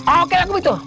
oke aku hitung